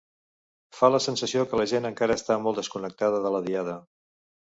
Fa la sensació que la gent encara està molt desconnectada de la Diada.